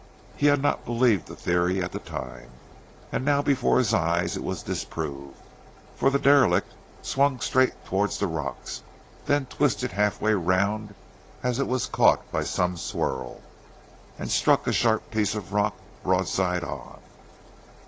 He had not believed the theory at the time, and now before his eyes it was disproved; for the derelict swung straight towards the rocks, then twisted half way round as it was caught by some swirl, and struck a sharp piece of rock broadside on.